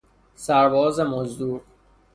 سرباز مزدور